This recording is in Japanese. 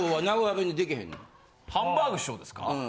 ハンバーグ師匠ですか？